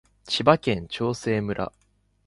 千葉県長生村